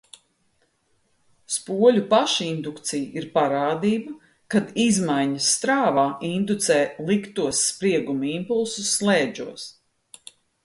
Spoļu pašindukcija ir parādība, kad izmaiņas strāvā indūcē liktos sprieguma impulsus slēdžos.